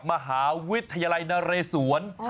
มหาวิทยาลัยนเรศวร